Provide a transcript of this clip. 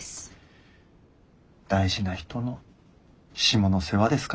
大事な人の下の世話ですからね。